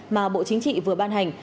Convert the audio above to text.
mà bộ chính trị vừa ban hành